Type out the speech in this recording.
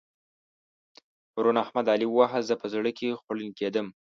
پرون احمد؛ علي وواهه. زه په زړه کې خوړل کېدم.